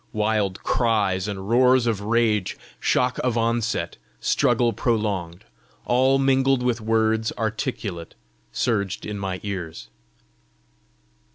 Wild cries and roars of rage, shock of onset, struggle prolonged, all mingled with words articulate, surged in my ears.